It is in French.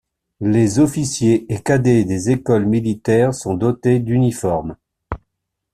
Les officiers et cadets des écoles militaires sont dotés d'uniformes.